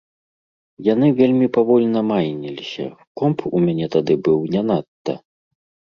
Яны вельмі павольна майніліся, комп у мяне тады быў не надта.